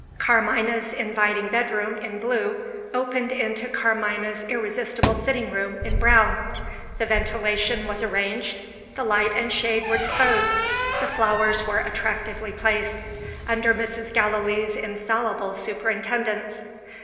Carmina's inviting bedroom, in blue, opened into Carmina's irresistible sitting room, in brown. The ventilation was arranged, the light and shade were disposed, the flowers were attractively placed, under Mrs. Gallilee's infallible superintendence.